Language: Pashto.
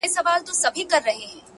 o بابولاره وروره راسه تې لار باسه؛